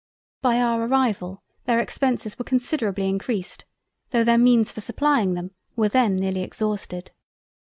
By our arrival their Expenses were considerably encreased tho' their means for supplying them were then nearly exhausted.